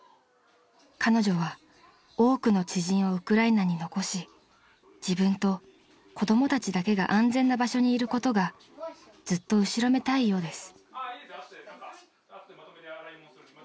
［彼女は多くの知人をウクライナに残し自分と子供たちだけが安全な場所にいることがずっと後ろめたいようです］